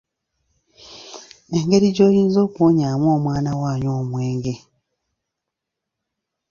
Engeri gy’oyinza okuwonyaamu omwana wo anywa omwenge